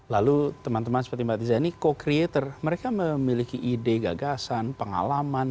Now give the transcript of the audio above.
lalu teman teman seperti mbak tiza ini co creator mereka memiliki ide gagasan pengalaman